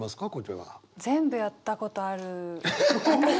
えっ全部やったことある！？